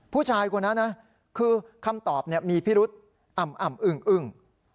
ผู้ชายคนนั้นนะคือคำตอบมีพิรุษอ่ำอึ้งอึ้ง